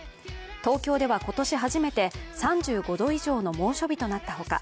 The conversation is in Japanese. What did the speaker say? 東京では今年初めて３５度以上の猛暑日となったほか